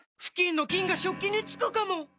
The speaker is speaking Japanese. フキンの菌が食器につくかも⁉